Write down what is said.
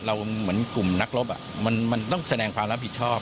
เหมือนกลุ่มนักรบมันต้องแสดงความรับผิดชอบ